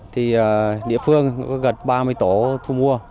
thì địa phương gật ba mươi tổ thu mua